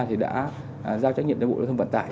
thì đã giao trách nhiệm cho bộ đối thân vận tải